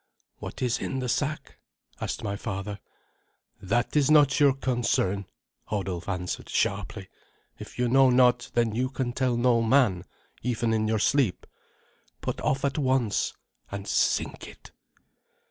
"What is in the sack?" asked my father. "That is not your concern," Hodulf answered sharply. "If you know not, then you can tell no man, even in your sleep. Put off at once and sink it."